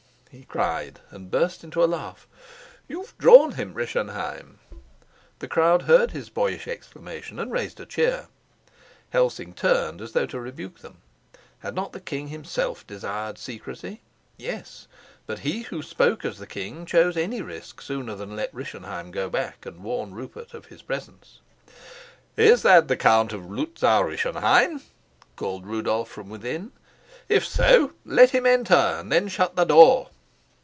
he cried, and burst into a laugh. "You've drawn him, Rischenheim!" The crowd heard his boyish exclamation and raised a cheer. Helsing turned, as though to rebuke them. Had not the king himself desired secrecy? Yes, but he who spoke as the king chose any risk sooner than let Rischenheim go back and warn Rupert of his presence. "Is that the Count of Luzau Rischenheim?" called Rudolf from within. "If so, let him enter and then shut the door."